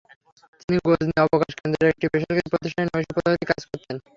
তিনি গজনী অবকাশ কেন্দ্রের একটি বেসরকারি প্রতিষ্ঠানে নৈশ প্রহরীর কাজ করতেন।